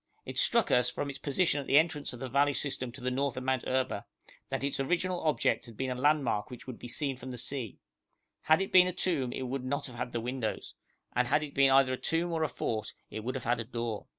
It struck us, from its position at the entrance of the valley system to the north of Mount Erba, that its original object had been a landmark which would be seen from the sea; had it been a tomb it would not have had the windows, and had it been either a tomb or a fort it would have had a door.